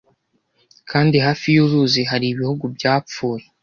Kandi hafi y'uruzi hari ibihugu byapfuye